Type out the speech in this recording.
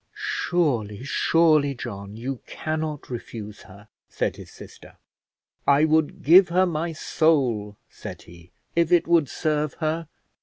"Surely, surely, John, you cannot refuse her," said his sister. "I would give her my soul," said he, "if it would serve her."